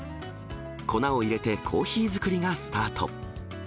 粉を入れてコーヒー作りがスタート。